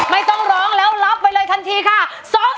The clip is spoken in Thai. ไม่ต้องรอเดี๋ยวรับไว้เลยทันทีค่ะสอง